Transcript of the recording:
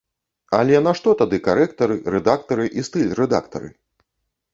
Але нашто тады карэктары, рэдактары і стыль-рэдактары?